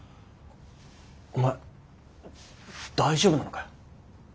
お前大丈夫なのかよ。